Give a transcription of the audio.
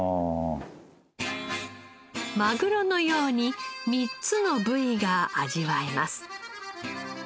マグロのように３つの部位が味わえます。